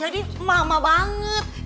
udah salah nah